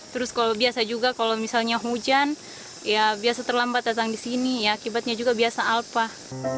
terus kalau biasa juga kalau misalnya hujan ya biasa terlambat datang di sini ya akibatnya juga biasa alpah